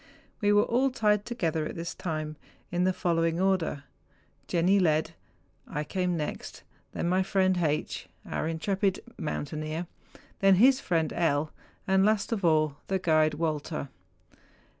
We were all tied together at this time in the following order:—Jenni led, I came next, then my friend H., our intrepid mountaineer, then his friend L., and last of all the guide Walter.